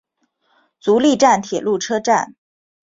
足利站铁路车站。